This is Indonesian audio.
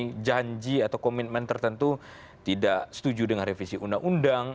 minta dana dangani janji atau komitmen tertentu tidak setuju dengan revisi undang undang